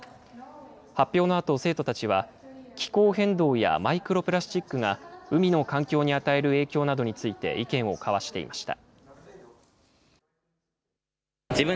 発表のあと、生徒たちは気候変動やマイクロプラスチックが、海の環境に与える影響などについて、意見を交わしていました。